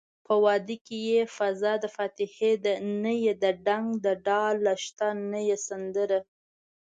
په واده کې يې فضادفاتحې ده نه يې ډنګ دډاله شته نه يې سندره